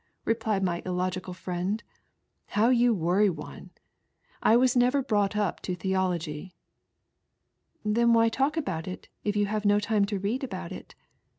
replied my illogical Mend, "how you worry one, I never was brought up to theology,' " Then why talk aboat it, if yon have, no time to read about it?"